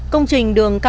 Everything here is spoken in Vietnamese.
công trình đường cao áp